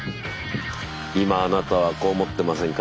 今あなたはこう思ってませんか？